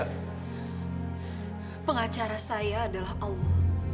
pengacara saya adalah allah